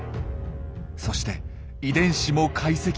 そして遺伝子も解析。